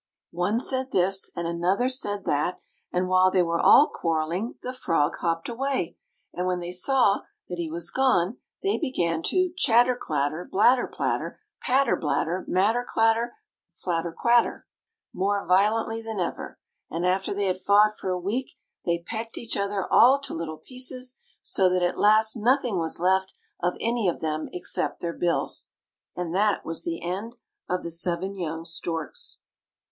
One said this, and another said that; and while they were all quarreling, the frog hopped away. And when they saw that he was gone they began to chatter clatter, blatter platter, patter blatter, matter clatter, flatter quatter, more violently than ever; and after they had fought for a week they pecked each other all to little pieces, so that at last nothing was left of any of them except their bills. And that was the end of the seven young storks.